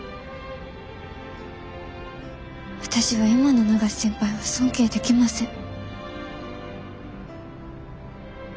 私は今の永瀬先輩は尊敬できません。